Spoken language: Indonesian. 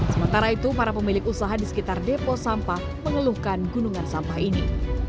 sementara itu para pemilik usaha di sekitar depo sampah mengeluhkan gunungan sampah ini